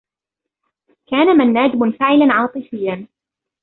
كان منّاد منفعلا عاطفيّا.